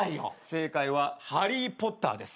正解は『ハリー・ポッター』です。